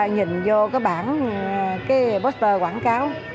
nhìn vô cái bảng cái poster quảng cáo